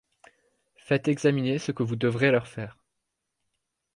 Faites examiner ce que vous devrez leur faire.